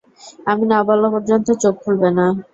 আমি না বলা পর্যন্ত চোখ খুলবে না।